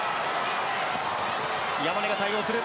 山根が対応する。